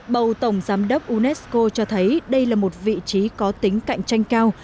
bầu tổng giám đốc unesco cho thấy đây là một vị trí có tính cạnh tranh cao